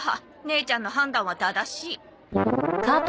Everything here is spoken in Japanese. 姉ちゃんの判断は正しい。